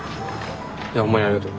いやほんまにありがとう。